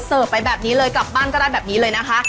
ไปแบบนี้เลยกลับบ้านก็ได้แบบนี้เลยนะคะ